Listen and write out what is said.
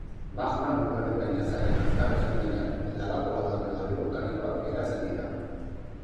Magma Lurraren gainazalean azkar hozten denean, laba-koladak edo harri bolkanikoak eratzen dira.